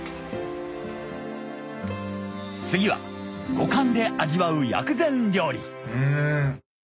次は五感で味わう薬膳料理！